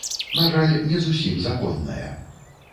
На жаль, не зусім законная.